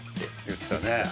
言ってた。